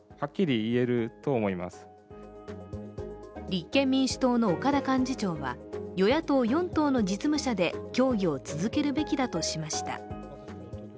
立憲民主党の岡田幹事長は、与野党４党の実務者で協議を続けるべきだとしました。